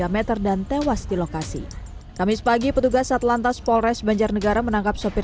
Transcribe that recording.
tiga meter dan tewas di lokasi kamis pagi petugas atlantas polres banjarnegara menangkap sopir